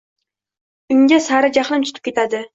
Unga sari jahlim chiqib ketdi.